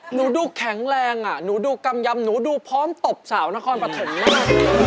หนูดูแข็งแรงอ่ะหนูดูกำยำหนูดูพร้อมตบสาวนครปฐมมาก